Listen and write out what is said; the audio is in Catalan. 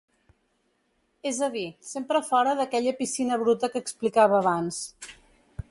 És a dir, sempre fora d’aquella piscina bruta que explicava abans.